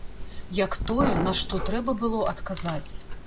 Як тое, на што трэба было адказаць.